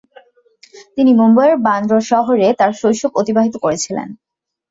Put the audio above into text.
তিনি মুম্বইয়ের বান্দ্রা শহরে তাঁর শৈশব অতিবাহিত করেছিলেন।